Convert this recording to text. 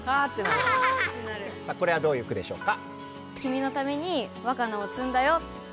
これはどういう句でしょうか？